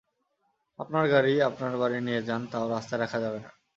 আপনার গাড়ি আপনার বাড়ি নিয়ে যান তাও রাস্তায় রাখা যাবে না।